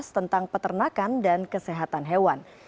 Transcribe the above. tentang peternakan dan kesehatan hewan